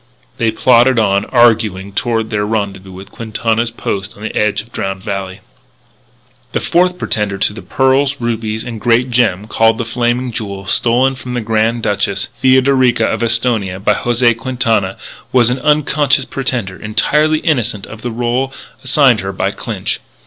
They plodded on, arguing, toward their rendezvous with Quintana's outpost on the edge of Drowned Valley. The fourth pretender to the pearls, rubies, and great gem called the Flaming Jewel, stolen from the young Grand Duchess Theodorica of Esthonia by José Quintana, was an unconscious pretender, entirely innocent of the rôle assigned her by Clinch.